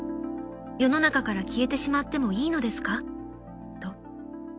世の中から消えてしまってもいいのですか？と］